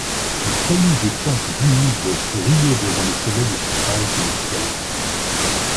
Les cailloux des sentes humides brillaient devant le soleil aussi pâle que le ciel.